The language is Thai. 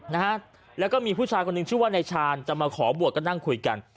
นะฮะแล้วก็มีผู้ชายคนหนึ่งชื่อว่านายชาญจะมาขอบวชก็นั่งคุยกัน